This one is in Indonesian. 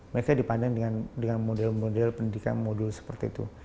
mereka dipandang dengan model model pendidikan modul seperti itu